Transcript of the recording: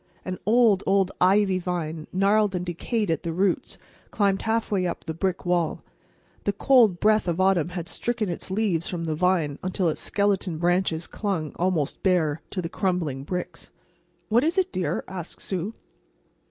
An old, old ivy vine, gnarled and decayed at the roots, climbed half way up the brick wall. The cold breath of autumn had stricken its leaves from the vine until its skeleton branches clung, almost bare, to the crumbling bricks. "What is it, dear?" asked Sue.